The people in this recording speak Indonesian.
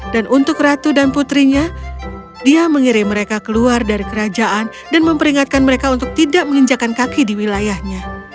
dan untuk ratu dan putrinya dia mengirim mereka keluar dari kerajaan dan memperingatkan mereka untuk tidak menginjakan kaki di wilayahnya